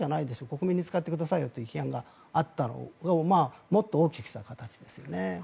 国民に使ってくださいという声があったのをもっと大きくした形ですね。